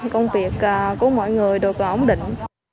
công việc của mọi người được ổn định